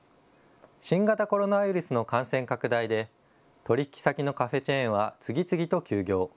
新型コロナウイルスの感染拡大で取引先のカフェチェーンは次々と休業。